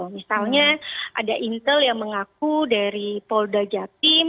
misalnya ada intel yang mengaku dari polda jatim